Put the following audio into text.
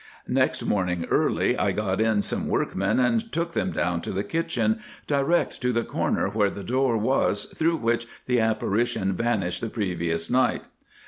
"Next morning early I got in some workmen and took them down to the kitchen, direct to the corner where the door was through which the apparition vanished the previous night.